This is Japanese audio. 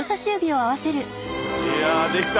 いやできた。